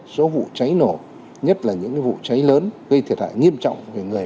số vụ cháy nổ nhất là những vụ cháy lớn gây thiệt hại nghiêm trọng